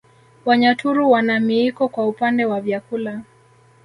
Wanyaturu wana miiko kwa upande wa vyakula